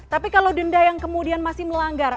tapi kalau denda yang kemudian masih melanggar